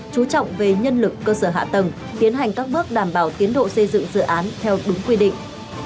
chú trọng về nhân lực cơ sở hạ tầng tiến hành các bước đảm bảo tiến độ xây dựng dự án theo đúng quy định